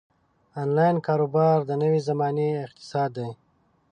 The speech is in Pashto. انلاین کاروبار د نوې زمانې اقتصاد دی.